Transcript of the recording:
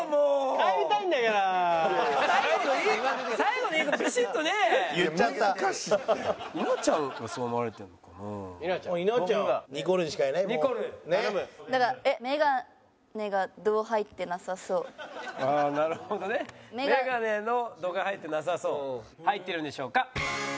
入ってるんでしょうか？